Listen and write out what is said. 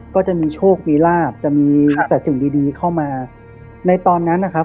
ก็จะมีโชคมีลาบจะมีแต่สิ่งดีดีเข้ามาในตอนนั้นนะครับ